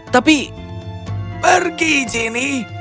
tapi pergi jin